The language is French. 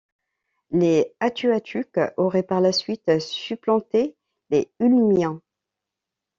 Les Atuatuques auraient par la suite supplanté les Ulmiens.